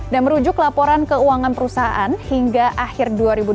dan merujuk laporan keuangan perusahaan hingga akhir dua ribu dua puluh dua